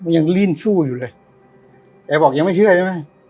ยังลิ้นสู้อยู่เลยแกบอกยังไม่เชื่อใช่ไหม